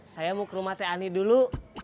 saya mau ke rumah teh ani dulu